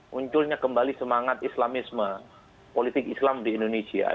munculnya kembali semangat islamisme politik islam di indonesia